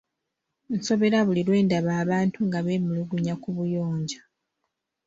Nsoberwa buli lwe ndaba abantu nga beemulugunya ku buyonjo.